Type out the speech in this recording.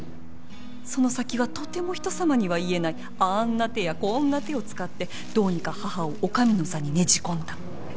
その先はとても人様には言えないあーんな手やこーんな手を使ってどうにか母を女将の座にねじ込んだ。